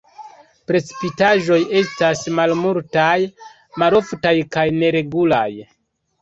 Precipitaĵoj estas malmultaj, maloftaj kaj neregulaj.